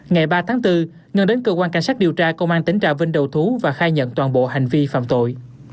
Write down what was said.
ngày ba tháng bốn ngân đến cơ quan cảnh sát điều tra công an tỉnh trà vinh đầu thú và khai nhận toàn bộ hành vi phạm tội